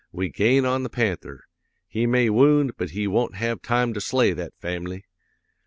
We gain on the panther! He may wound but he won't have time to slay that fam'ly.